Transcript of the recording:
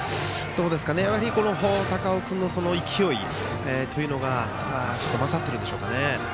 やはり高尾君の勢いというのが勝っていますかね。